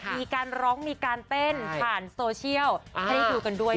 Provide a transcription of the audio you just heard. มีการร้องมีการเต้นผ่านโซเชียลให้ดูด้วยค่ะ